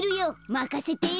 まかせて。